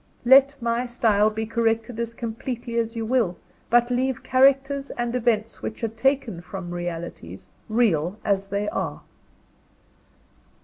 Let my style be corrected as completely as you will; but leave characters and events which are taken from realities, real as they are.